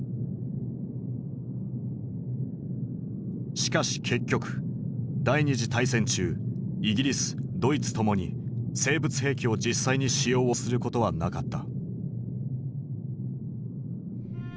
しかし結局第二次大戦中イギリスドイツともに生物兵器を実際に使用をすることはなかった。